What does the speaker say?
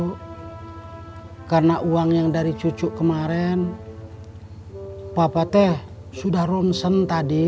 hai karena uang yang dari cucu kemarin oe papa teh sudarung sen tadi